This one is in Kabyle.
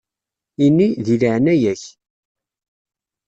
Ini: « deg leεna-yak».